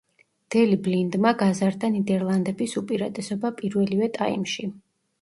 დელი ბლინდმა გაზარდა ნიდერლანდების უპირატესობა პირველივე ტაიმში.